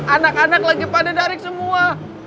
anak anak lagi pada darik semua